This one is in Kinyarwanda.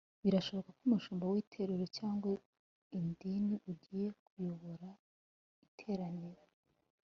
Birashoboka ko umushumba w’itorero cyangwa idini ugiye kuyobora iteraniro